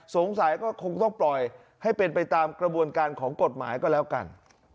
สงสัยก็คงต้องปล่อยให้เป็นไปตามกระบวนการของกฎหมายก็แล้วกัน